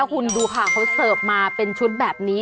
คุณดูค่ะเขาเสิร์ฟมาเป็นชุดแบบนี้